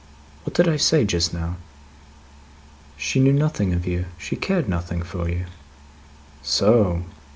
What did I say just now?" "She knew nothing of you. She cared nothing for you." "So!